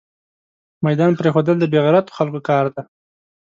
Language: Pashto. ميدان پريښودل دبې غيرتو خلکو کار ده